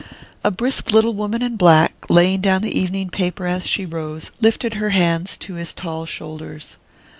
A brisk little woman in black, laying down the evening paper as she rose, lifted her hands to his tall shoulders.